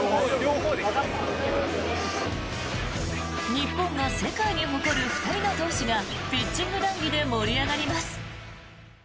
日本が世界に誇る２人の投手がピッチング談議で盛り上がります。